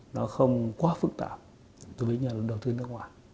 nó không quá phức tạp đối với nhà đầu tư nước ngoài